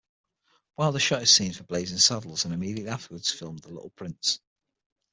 Wilder shot his scenes for "Blazing Saddles" and immediately afterwards filmed "The Little Prince".